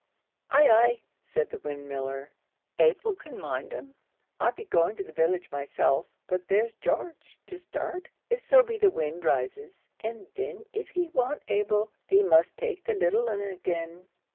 "Ay, ay," said the windmiller, "Abel can mind un. I be going to the village myself, but there's Gearge to start, if so be the wind rises. And then if he want Abel, thee must take the little un again."